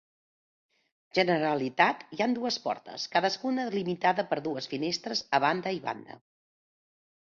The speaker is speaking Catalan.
Generalitat, hi han dues portes, cadascuna limitada per dues finestres a banda i banda.